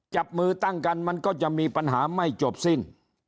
จับมือตั้งกันมันก็จะมีปัญหาไม่จบสิ้น